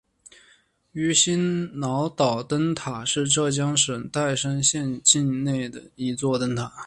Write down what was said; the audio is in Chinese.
鱼腥脑岛灯塔是浙江省岱山县境内的一座灯塔。